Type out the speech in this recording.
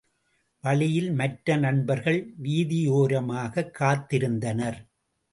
வழியில் மற்ற நண்பர்கள் வீதியோரமாகக் காத்திருந்தனர்.